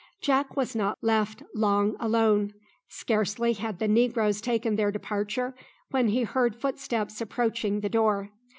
Jack was not left long alone. Scarcely had the negroes taken their departure when he heard footsteps approaching the door.